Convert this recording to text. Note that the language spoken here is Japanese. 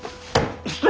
失礼！